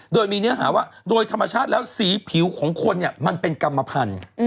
โดยมีเนื้อหาว่าโดยธรรมชาติแล้วสีผิวของคนเนี่ยมันเป็นกรรมพันธุ์